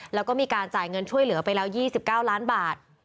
แล้วก็มีการจ่ายเงินช่วยเหลือไปแล้ว๒๙ล้านบาท